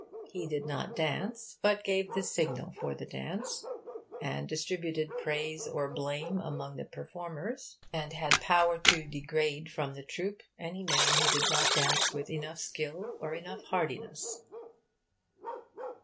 He did not dance, but gave the signal for the dance, and distributed praise or blame among the performers, and had power to degrade from the troupe any man who did not dance with enough skill or enough heartiness.